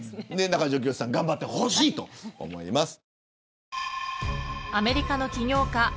中条きよしさん頑張ってほしいと思います。